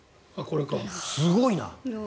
すごいな。